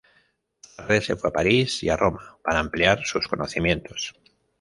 Más tarde se fue a París y a Roma para ampliar sus conocimientos.